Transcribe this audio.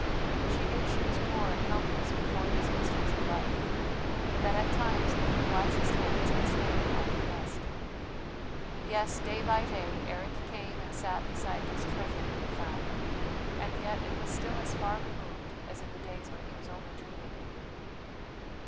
She knew she was poor and helpless before these mysteries of life; that at times even the wisest hands must hang in idle rest. Yes, day by day Eric came and sat beside this treasure he had found, and yet it was still as far removed as in the days when he was only dreaming.